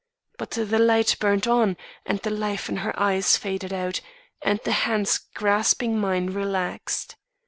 But the light burned on, and the life in her eyes faded out, and the hands grasping mine relaxed.